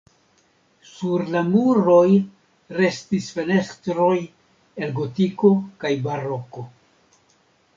Sur la muroj restis fenestroj el gotiko kaj baroko.